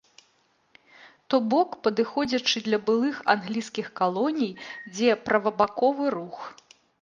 То бок падыходзячы для былых англійскіх калоній, дзе правабаковы рух.